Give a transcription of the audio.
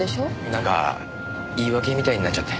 なんか言い訳みたいになっちゃって。